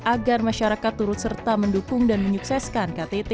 agar masyarakat turut serta mendukung dan menyukseskan ktt